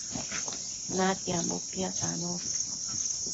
natiambo pisadosh